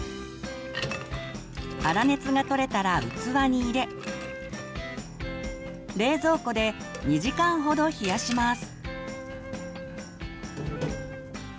粗熱が取れたら器に入れ冷蔵庫で２時間ほど冷やします。